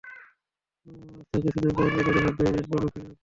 রাস্তার কিছু দূর পরপর বাড়িঘর তৈরির ইট-বালু ফেলে রাখতে দেখা যায়।